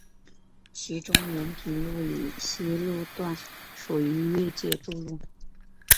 其中延平路以西路段属于越界筑路。